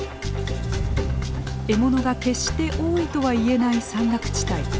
獲物が決して多いとはいえない山岳地帯。